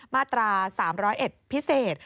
มาตรา๓๐๑พิเศษ